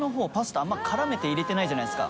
あんまり絡めて入れてないじゃないですか。